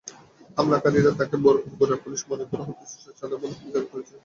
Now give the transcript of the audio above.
হামলাকারীরা তাঁকে বগুড়ার পুলিশ মনে করে হত্যাচেষ্টা চালায় বলে পুলিশ দাবি করেছে।